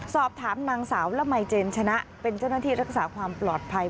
สอบถามนางสาวละมัยเจนชนะเป็นเจ้าหน้าที่รักษาความปลอดภัย